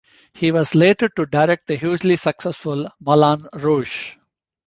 He was later to direct the hugely successful "Moulin Rouge!".